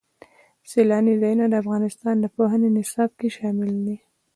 سیلانی ځایونه د افغانستان د پوهنې نصاب کې شامل دي.